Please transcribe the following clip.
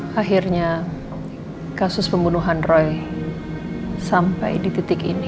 hai akhirnya kasus pembunuhan roy sampai di titik ini